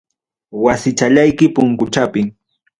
Wasichallayki punkuchapi.